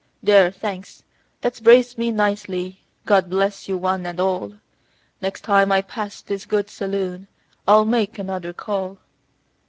"There, thanks, that's braced me nicely; God bless you one and all; Next time I pass this good saloon I'll make another call.